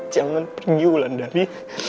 jangan pergi bulan dari